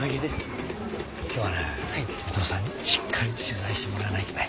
今日はね伊藤さんにしっかり取材してもらわないとね。